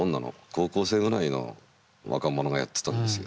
高校生ぐらいの若者がやってたんですよ。